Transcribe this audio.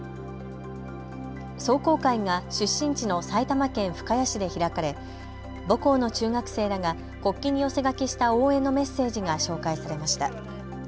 壮行会が出身地の埼玉県深谷市で開かれ母校の中学生らが国旗に寄せ書きした応援のメッセージが紹介されました。